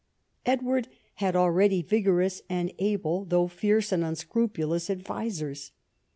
Edward had already vigorous and able, though fierce and unscrupulous, advisers.